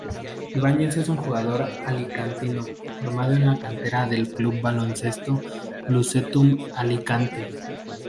Ibáñez es un jugador alicantino formado en la cantera del Club Baloncesto Lucentum Alicante.